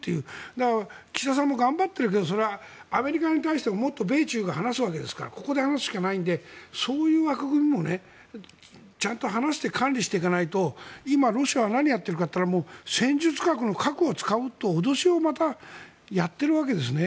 だから、岸田さんも頑張っているけれどそれはアメリカに対してもっと米中が話すわけですからここで話すしかないのでそういう枠組みもちゃんと話して管理していかないと今、ロシアは何をやっているかというと戦術核の核を使うと、脅しをまたやっているわけですね。